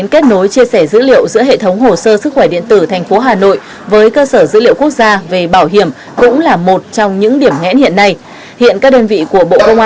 những yêu cầu đặt ra đối với hồ sơ sức khỏe điện tử